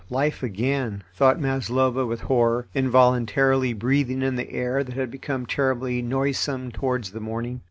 life again," thought Maslova, with horror, involuntarily breathing in the air that had become terribly noisome towards the morning.